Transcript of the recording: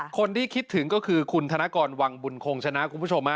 คนที่คิดถึงก็คือคุณธนกรวังบุญคงชนะคุณผู้ชม